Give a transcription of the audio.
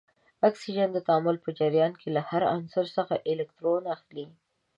اکسیجن د تعامل په جریان کې له هر عنصر څخه الکترون اخلي.